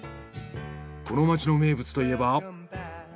この町の名物といえば。